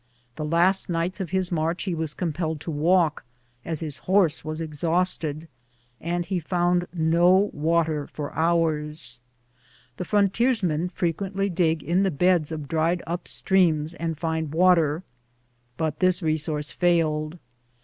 The last nights of his march he was compelled to walk, as his horse was exhausted, and he found no water for hours. The frontiersmen 11 243 BOOTS AND SADDLES. frequentlj dig in the beds of dried ap streams and find water, but this resource failed.